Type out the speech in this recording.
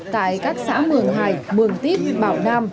tại các xã mường hải mường tiếp bảo nam